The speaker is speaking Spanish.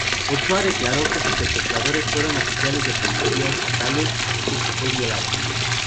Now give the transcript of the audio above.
Ochoa declaró que sus secuestradores fueron oficiales de policía estatales y que fue violada.